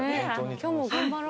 今日も頑張ろう。